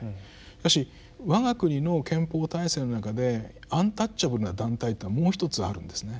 しかし我が国の憲法体制の中でアンタッチャブルな団体というのはもうひとつあるんですね。